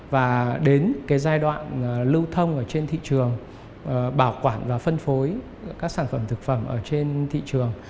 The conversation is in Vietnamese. và đến cái giai đoạn lưu thông ở trên thị trường bảo quản và phân phối các sản phẩm thực phẩm ở trên thị trường